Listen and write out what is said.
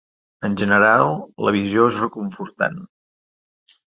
En general, la visió és reconfortant.